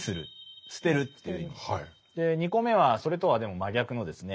２個目はそれとはでも真逆のですね